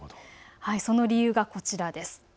その理由がこちらです。